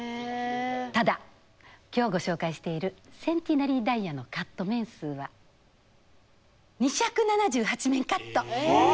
ただ今日ご紹介しているセンティナリー・ダイヤのカット面数は２７８面カット。